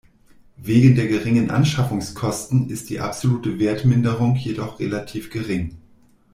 Wegen der geringen Anschaffungskosten ist die absolute Wertminderung jedoch relativ gering.